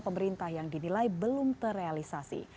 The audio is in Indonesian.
pemerintah yang dinilai belum terrealisasi